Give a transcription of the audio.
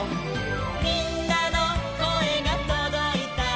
「みんなのこえがとどいたら」